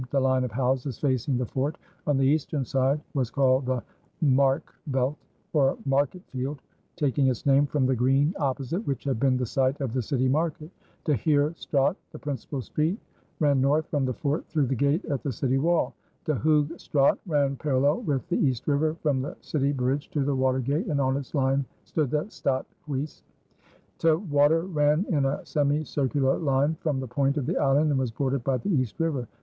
The line of houses facing the fort on the eastern side was called the Marckveldt, or Marketfield, taking its name from the green opposite, which had been the site of the city market. De Heere Straat, the principal street, ran north from the fort through the gate at the city wall. De Hoogh Straat ran parallel with the East River from the city bridge to the water gate and on its line stood the Stadt Huys. 'T Water ran in a semi circular line from the point of the island and was bordered by the East River.